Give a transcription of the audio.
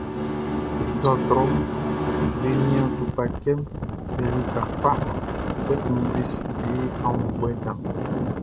Dɔɔtrɔʼm be nian tukpacifuɛʼm be lika kpa, kpɛkun be si be aunnvuɛ dan.